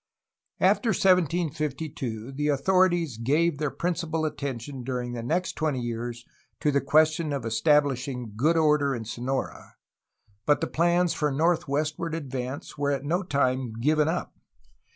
After 1752 the authorities gave their principal attention, during the next twenty years, to the question of establishing good order in Sonora, but the plans for northwestward ad vance were at no time given up.